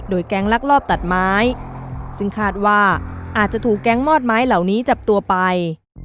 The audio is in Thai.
แก๊งลักลอบตัดไม้ซึ่งคาดว่าอาจจะถูกแก๊งมอดไม้เหล่านี้จับตัวไป